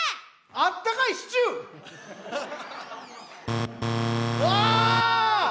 あったかいシチュー！わ！